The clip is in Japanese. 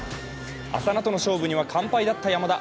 浅野との勝負には完敗だった山田。